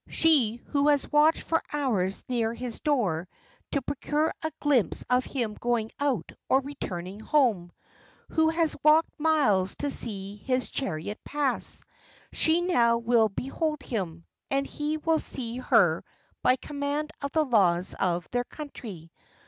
She who has watched for hours near his door, to procure a glimpse of him going out, or returning home; who has walked miles to see his chariot pass: she now will behold him, and he will see her by command of the laws of their country.